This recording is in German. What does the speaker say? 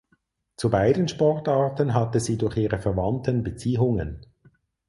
Zu beiden Sportarten hatte sie durch ihre Verwandten Beziehungen.